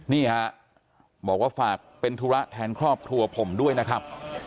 นี่ฮะบอกว่าฝากเป็นธุระแทนครอบครัวผมด้วยนะครับ